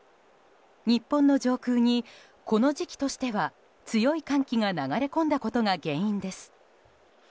日本の上空に、この時期としては強い寒気が流れ込んだことが原因です。